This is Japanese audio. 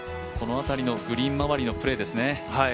この辺りのグリーン周りのプレーですね。